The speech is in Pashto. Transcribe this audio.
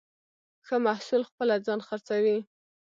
ښه محصول خپله ځان خرڅوي.